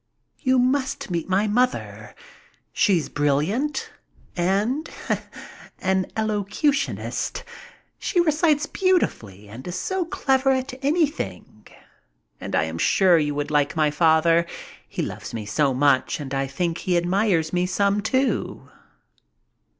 You must meet my mother. She's brilliant and an elocutionist. She recites beautifully, and is so clever at anything. And I am sure you would like my father. He loves me so much and I think he admires me some, too."